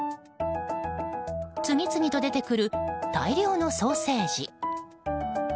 次々と出てくる大量のソーセージ。